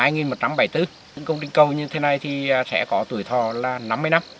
những công trình cầu như thế này thì sẽ có tuổi thọ là năm mươi năm